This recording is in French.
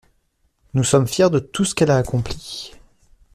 Nous sommes fiers de tout ce qu'elle accomplit.